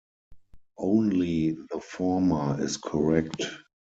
Only the former is correct.